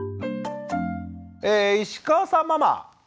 え石川さんママ。